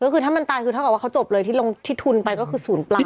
ก็คือถ้ามันตายคือให้เค้าจบเลยที่ลงที่ทุนไปก็คือศูนย์เปล่า